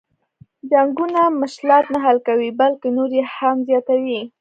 جنګونه مشلات نه حل کوي بلکه نور یې هم زیاتوي.